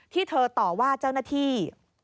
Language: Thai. ที่เธอต่อว่าเจ้าหน้าที่